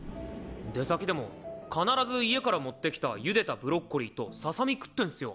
出先でも必ず家から持ってきたゆでたブロッコリーとささみ食ってんスよ。